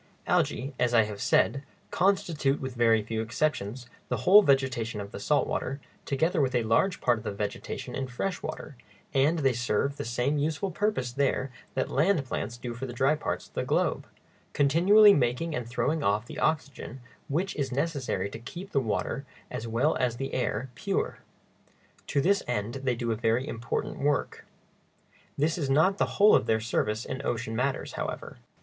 Algæ, as I have said, constitute, with very few exceptions, the whole vegetation of the salt water, together with a large part of the vegetation in fresh water; and they serve the same useful purpose there that land plants do for the dry parts of the globe, continually making and throwing off the oxygen which is necessary to keep the water as well as the air pure. To this end they do a very important work. This is not the whole of their service in ocean matters, however.